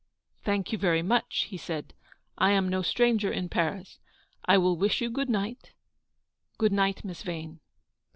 " Thank you very much/' he said, " I am no stranger in Paris. I will wish you good night ; good night, Miss Vane."'